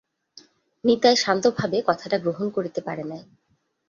নিতাই শান্তভাবে কথাটা গ্রহণ করিতে পারে নাই।